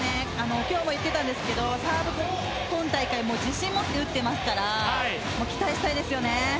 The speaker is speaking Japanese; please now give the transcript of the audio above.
今日も言っていましたがサーブ今大会自信を持って打っていますから期待したいです。